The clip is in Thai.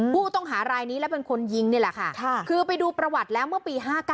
ผู้ต้องหารายนี้และเป็นคนยิงนี่แหละค่ะคือไปดูประวัติแล้วเมื่อปี๕๙